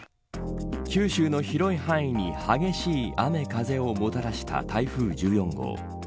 九州の広い範囲に激しい雨風をもたらした台風１４号。